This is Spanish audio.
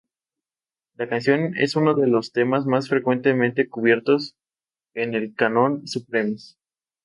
La canción es uno de los temas más frecuentemente cubiertos en el canon Supremes.